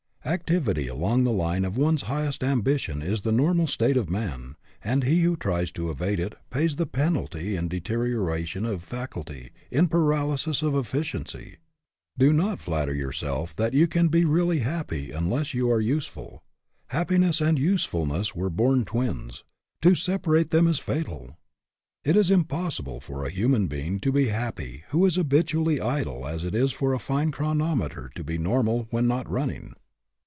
Activity along the line of one's highest ambi tion is the normal state of man, and he who tries to evade it pays the penalty in deterio ration of faculty, in paralysis of efficiency. Do not flatter yourself that you can be really happy unless you are useful. Happiness and usefulness were born twins. To separate them is fatal. It is as impossible for a human being to be happy who is habitually idle as it is for a fine chronometer to be normal when not running.